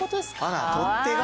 あら取っ手が。